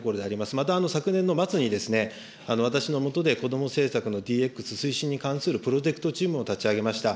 また、昨年の末に私の下でこども政策のＤＸ推進に関するプロジェクトチームを立ち上げました。